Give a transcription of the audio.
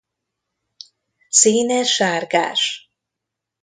Színe sárgás.